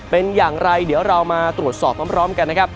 เป็นอย่างไรเดี๋ยวเรามาตรวจสอบพร้อมกันนะครับ